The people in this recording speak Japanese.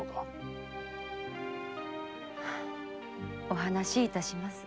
お話し致します。